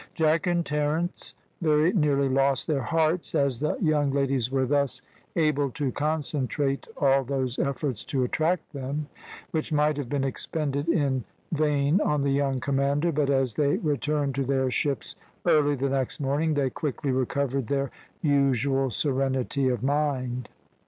Jack and Terence very nearly lost their hearts, as the young ladies were thus able to concentrate all those efforts to attract them, which might have been expended in vain on the young commander, but as they returned to their ships early the next morning they quickly recovered their usual serenity of mind.